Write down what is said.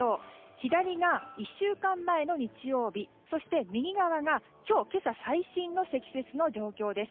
左が１週間前の日曜日そして、右側が今日今朝最新の積雪の状況です。